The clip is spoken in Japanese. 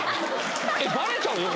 バレちゃうよ